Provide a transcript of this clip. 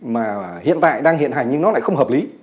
mà hiện tại đang hiện hành nhưng nó lại không hợp lý